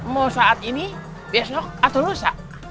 mau saat ini besok atau rusak